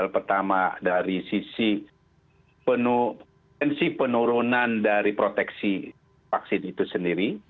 pertama dari sisi penurunan dari proteksi vaksin itu sendiri